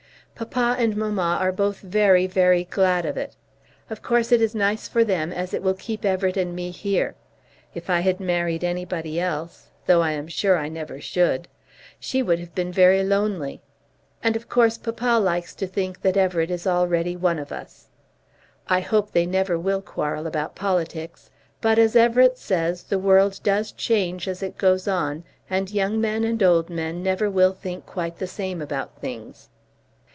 Papa and mamma are both very, very glad of it. Of course it is nice for them as it will keep Everett and me here. If I had married anybody else, though I am sure I never should, she would have been very lonely. And of course papa likes to think that Everett is already one of us. I hope they never will quarrel about politics; but, as Everett says, the world does change as it goes on, and young men and old men never will think quite the same about things.